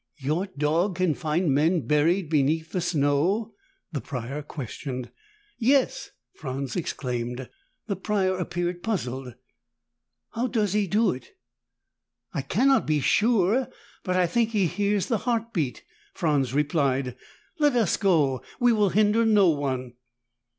"Your dog can find men buried beneath the snow?" the Prior questioned. "Yes!" Franz exclaimed. The Prior appeared puzzled. "How does he do it?" "I cannot be sure, but I think he hears the heart beat!" Franz replied. "Let us go! We will hinder no one!"